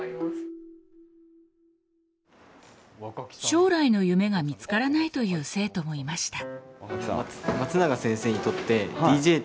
将来の夢が見つからないという生徒もいました。